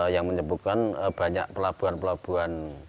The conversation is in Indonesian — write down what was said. yang menyebutkan banyak pelabuhan pelabuhan di daerah ini